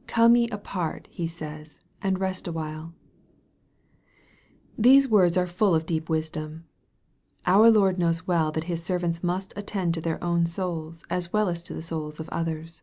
" Come ye apart," He says, " and rest a while." These words fire full of deep wisdom. Our Lord knows well that His servants must attend to their own souls as well as the souls of others.